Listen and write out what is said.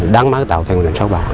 đáng mái tàu thuyền sản xuất